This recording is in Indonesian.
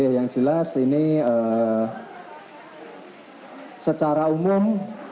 yang jelas ini secara umum